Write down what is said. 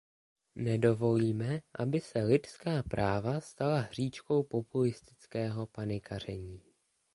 Nedovolíme, aby se lidská práva stala hříčkou populistického panikaření.